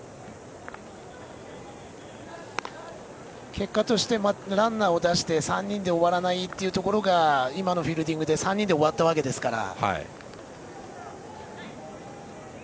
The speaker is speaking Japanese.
結果としてランナーを出して３人で終わらないというところが今のフィールディングで３人で終わったわけですから。